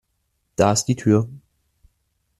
Da ist die Tür!